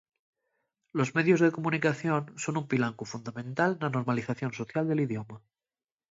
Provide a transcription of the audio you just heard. Los medios de comunicación son un pilancu fundamental na normalización social del idioma.